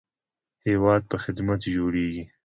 هیواد په خدمت جوړیږي